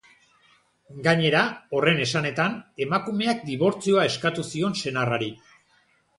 Gainera, horren esanetan, emakumeak dibortzioa eskatu zion senarrari.